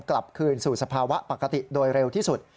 กลับคืนสู่สภาวะปกติโดยเร็วที่สุด